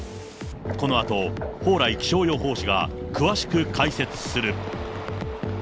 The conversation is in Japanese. このあと、蓬莱気象予報士が詳しく解説する。